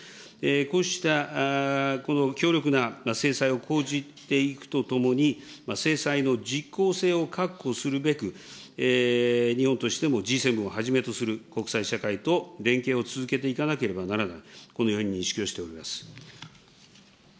こうしたこの強力な制裁を講じていくとともに、制裁の実効性を確保するべく、日本としても、Ｇ７をはじめとする国際社会と連携を続けていかなければならない、このように認識をしております。